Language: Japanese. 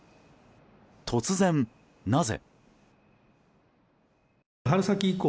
突然、なぜ。